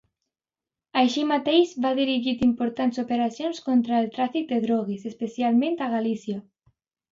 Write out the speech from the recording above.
Així mateix, ha dirigit importants operacions contra el tràfic de drogues, especialment a Galícia.